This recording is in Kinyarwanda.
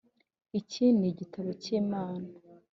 iki ni igitabo cy’imana.